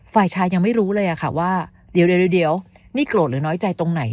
ฝ่ายชายยังไม่รู้เลยค่ะว่าเดี๋ยวนี่โกรธหรือน้อยใจตรงไหน